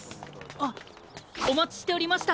あっおまちしておりました。